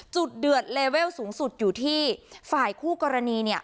เดือดเลเวลสูงสุดอยู่ที่ฝ่ายคู่กรณีเนี่ย